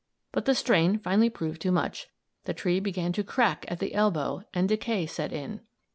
But the strain finally proved too much. The tree began to crack at the elbow and decay set in.